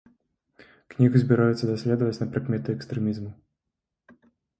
Кнігу збіраюцца даследаваць на прыкметы экстрэмізму.